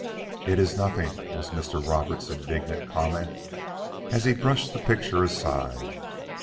"It is nothing," was Mr. Roberts' indignant comment, as he brushed the picture aside.